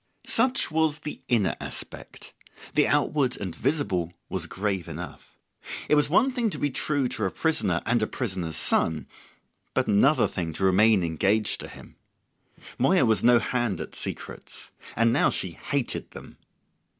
Such was the inner aspect; the outward and visible was grave enough. It was one thing to be true to a prisoner and a prisoner's son, but another thing to remain engaged to him. Moya was no hand at secrets. And now she hated them.